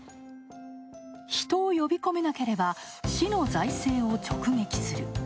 人を呼び込めなければ市の財政を直撃する。